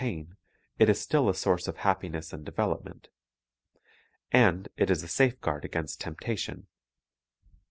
pain, it is still a source of happiness and development. And it is a safeguard against temptation.